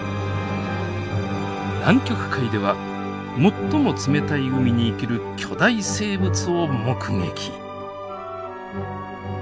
南極海では最も冷たい海に生きる巨大生物を目撃！